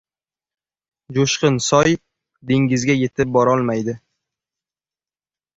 • Jo‘shqin soy dengizga yetib borolmaydi.